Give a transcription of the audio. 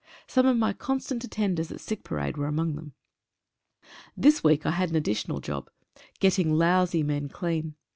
Some of my constant attenders at sick parade were among them. This week I had an additional job — getting lousy men clean.